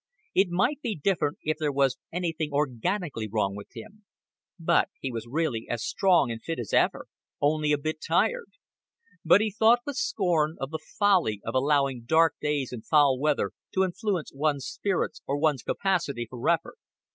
It might be different if there was anything organically wrong with him; but he was really as strong and fit as ever only a bit tired; but he thought with scorn of the folly of allowing dark days and foul weather to influence one's spirits or one's capacity for effort.